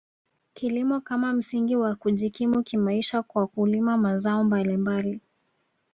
Kilimo kama msingi wa kujikimu kimaisha kwa kulima mazao mbalimbali